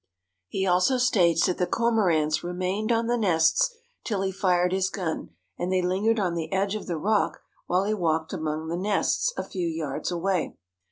He also states that the Cormorants remained on the nests till he fired his gun and they lingered on the edge of the rock while he walked among the nests a few yards away.